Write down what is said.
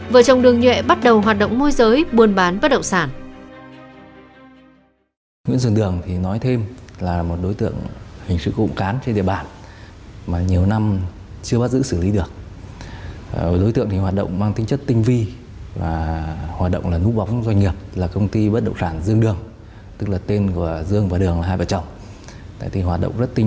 vợ chồng đường nhuệ bắt đầu hoạt động môi giới buôn bán bất động sản